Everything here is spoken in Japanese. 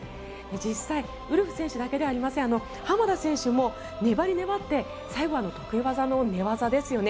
実際、ウルフ選手だけではありません濱田選手も粘り粘って最後は得意技の寝技ですよね。